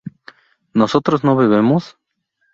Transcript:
¿nosotros no bebemos?